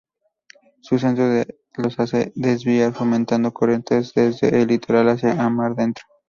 Su centro los hace desviar fomentando corrientes desde el litoral hacia mar adentro.